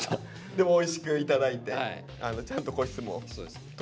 でもおいしく頂いてちゃんと個室も。確保できて。